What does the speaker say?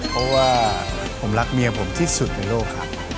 เพราะว่าผมรักเมียผมที่สุดในโลกครับ